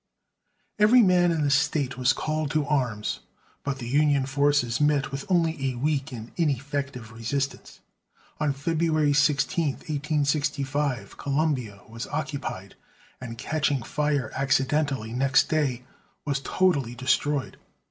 Every man in the state was called to arms, but the Union forces met with only a weak and ineffective resistance. On February 16, 1865, Columbia was occupied; and catching fire accidentally next day, was totally destroyed.